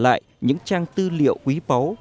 lần dở lại những trang tư liệu quý báu